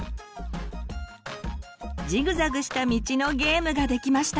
ジグザグした道のゲームができました。